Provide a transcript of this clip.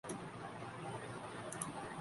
مثال کے طور پر دفاعی بجٹ میں سب کی ایک رائے ہے۔